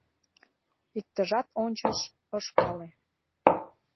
Иктыжат ончыш — ыш пале